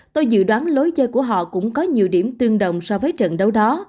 tôi dự đoán lối chơi của họ cũng có nhiều điểm tương đồng so với trận đấu đó